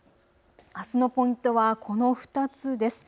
あすのポイントはこの２つです。